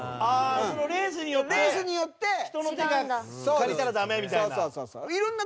そのレースによって人の手借りたら駄目みたいな。